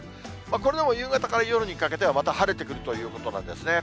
これでも夕方から夜にかけては、また晴れてくるということなんですね。